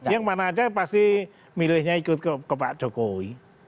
yang mana aja pasti milihnya ikut ke pak jokowi